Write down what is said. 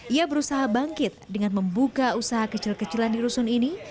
ia berusaha bangkit dengan membuka usaha kecil kecilan di rusun ini